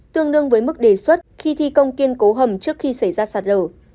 tương đương với mức đề xuất khi thi công kiên cố hầm trước khi xảy ra sạt lở